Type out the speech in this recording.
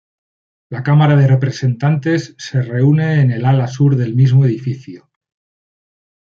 La Cámara de Representantes se reúne en el ala sur del mismo edificio.